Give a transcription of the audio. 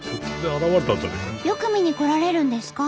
よく見に来られるんですか？